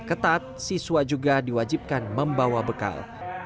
ketat siswa juga diwajibkan membawa bekal